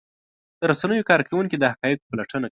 د رسنیو کارکوونکي د حقایقو پلټنه کوي.